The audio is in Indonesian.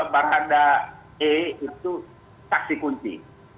barada e itu tak dikunci